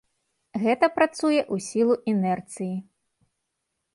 Гэта працуе ў сілу інэрціі.